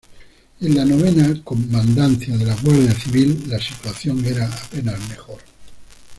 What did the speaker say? En la novena comandancia de la guardia civil, la situación era apenas mejor.